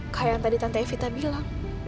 kayak yang tadi tante evita bilang